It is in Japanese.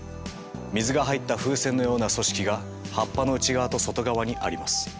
水が入った風船のような組織が葉っぱの内側と外側にあります。